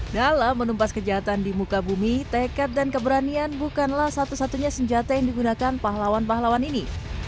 dalam menumpas kejahatan di muka bumi tekad dan keberanian bukanlah satu satunya senjata yang digunakan pahlawan pahlawan ini